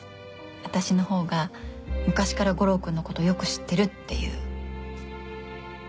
私の方が昔から悟郎君のことよく知ってるっていう。